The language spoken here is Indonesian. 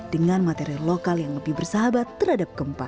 dengan material lokal yang lebih bersahabat terhadap gempa